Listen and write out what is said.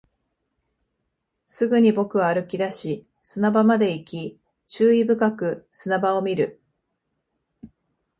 すぐに僕は歩き出し、砂場まで行き、注意深く砂場を見る